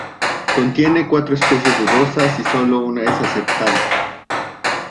Contiene cuatro especies dudosas y solo una es aceptada.